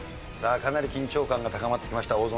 さあかなり緊張感が高まってきました。